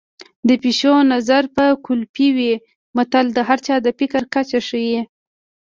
د پيشو نظر به کولپۍ وي متل د هر چا د فکر کچه ښيي